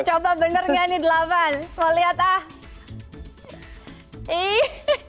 coba bener gak nih delapan mau lihat ah